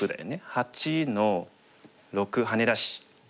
８の六ハネ出し。